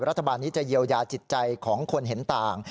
รัฐบาลนี้จะเยียวยาจิตใจของคนเห็นต่าง